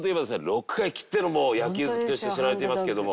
ロック界きっての野球好きとして知られていますけども。